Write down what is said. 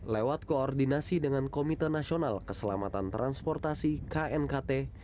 lewat koordinasi dengan komite nasional keselamatan transportasi knkt